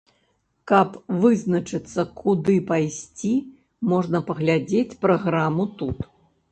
Каб вызначыцца, куды пайсці, можна паглядзець праграму тут.